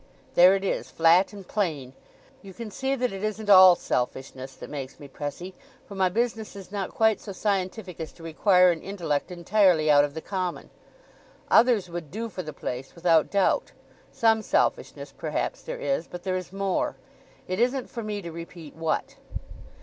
There it is, flat and plain. You can see that it isn't all selfishness that makes me press 'ee; for my business is not quite so scientific as to require an intellect entirely out of the common. Others would do for the place without doubt. Some selfishness perhaps there is, but there is more; it isn't for me to repeat what.